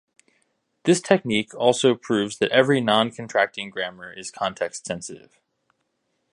This technique also proves that every noncontracting grammar is context-sensitive.